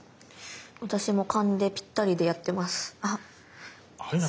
私も勘でぴったりでやってます。